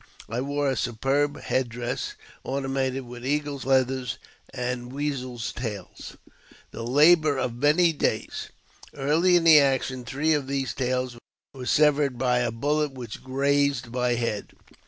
I wore a superb head dress, ornamented with eagles' feathers and weasels' tails — the labour of many days. Early in the action, three of these tails were severed by a bullet which grazed my head.